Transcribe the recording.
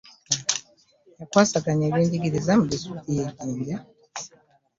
Y'akwasaganya eby'enjigiriza mu disitulikiti ya Jinja